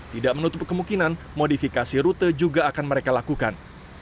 tidak menutup kemungkinan modifikasi rute juga akan mereka lakukan